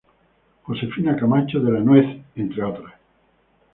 Josefina Camacho de la Nuez, entre otras.